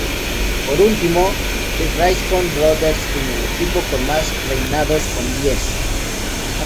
Por último, The Briscoe Brothers es el equipo con más reinados con diez.